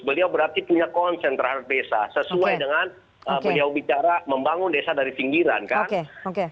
beliau berarti punya konsen terhadap desa sesuai dengan beliau bicara membangun desa dari pinggiran kan